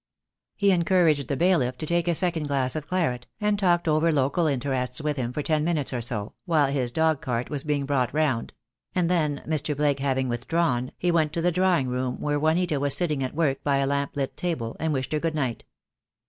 He encouraged the bailiff to take a second glass of claret, and talked over local interests with him for ten minutes or so, while his dog cart was being brought round; and then, Mr. Blake having withdrawn, he went THE DAY WILL COME. I 75 to the drawing room where Juanita was sitting at work by a lamp lit table, and wished her good night.